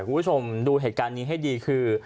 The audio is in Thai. คุณผู้ชมดูเหตุการณ์นี้ให้ดีคือ